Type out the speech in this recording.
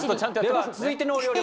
では続いてのお料理